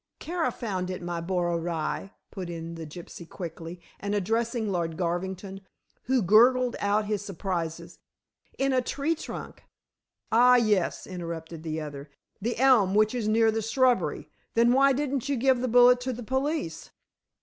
"Kara found it, my boro rye," put in the gypsy quickly, and addressing Lord Garvington, who gurgled out his surprises, "in the tree trunk." "Ah, yes," interrupted the other. "The elm which is near the shrubbery. Then why didn't you give the bullet to the police?"